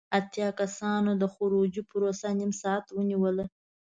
اتیا کسانو د خروجی پروسه نیم ساعت ونیوله.